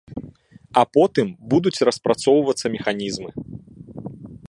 А потым будуць распрацоўвацца механізмы.